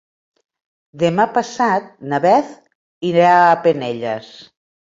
Demà passat na Beth irà a Penelles.